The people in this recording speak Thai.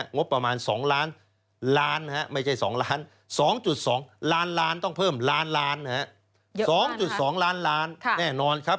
งบประมาณ๒ล้านล้านไม่ใช่๒ล้าน๒๒ล้านล้านต้องเพิ่มล้านล้าน๒๒ล้านล้านแน่นอนครับ